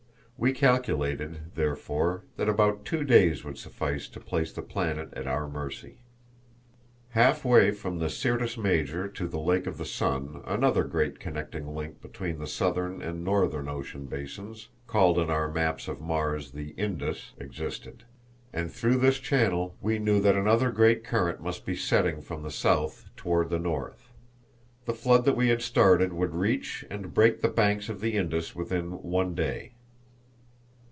We calculated, therefore, that about two days would suffice to place the planet at our mercy. Half way from the Syrtis Major to the Lake of the Sun another great connecting link between the Southern and Northern ocean basins, called on our maps of Mars the Indus, existed, and through this channel we knew that another great current must be setting from the south toward the north. The flood that we had started would reach and break the banks of the Indus within one day.